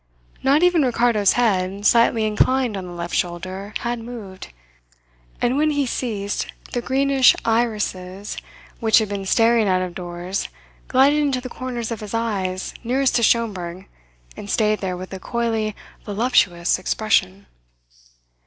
Not even Ricardo's head, slightly inclined on the left shoulder, had moved; but when he ceased the greenish irises which had been staring out of doors glided into the corners of his eyes nearest to Schomberg and stayed there with a coyly voluptuous expression.